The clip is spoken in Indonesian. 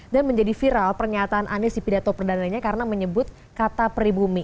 dan menjadi viral pernyataan anis di pidato perdanaannya karena menyebut kata peribumi